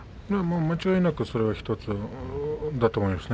間違いなく１つだと思いますね。